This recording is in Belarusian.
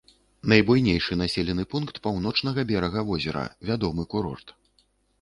Найбуйнейшы населены пункт паўночнага берага возера, вядомы курорт.